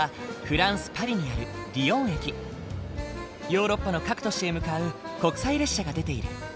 ヨーロッパの各都市へ向かう国際列車が出ている。